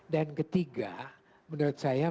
dan ketiga menurut saya